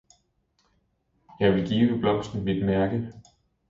Jeg vil give blomsten mit mærke!